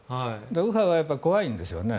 右派は怖いんですよね。